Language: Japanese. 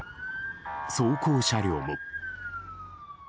装甲車両も。